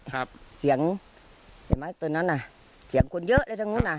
ครับเสียงเห็นไหมตอนนั้นอ่ะเสียงคนเยอะเลยทางนู้นอ่ะ